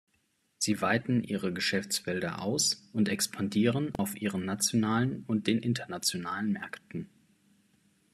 Sie weiten ihre Geschäftsfelder aus und expandieren auf ihren nationalen und den internationalen Märkten.